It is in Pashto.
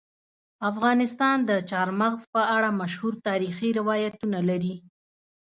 افغانستان د چار مغز په اړه مشهور تاریخی روایتونه لري.